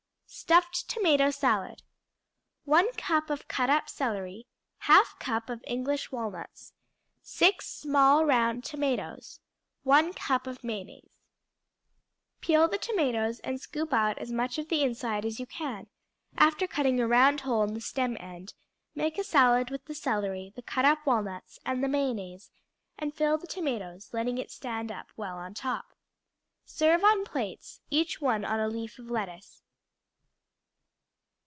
Stuffed Tomato Salad 1 cup of cut up celery. 1/2 cup of English walnuts. 6 small, round tomatoes. 1/2 cup of mayonnaise. Peel the tomatoes and scoop out as much of the inside as you can, after cutting a round hole in the stem end; make a salad with the celery, the cut up walnuts, and the mayonnaise, and fill the tomatoes, letting it stand up well on top. Serve on plates, each one on a leaf of lettuce.